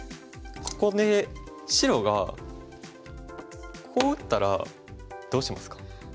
ここで白がこう打ったらどうしますか？